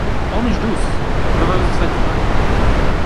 Omisdus, quei veis vus fatg bein.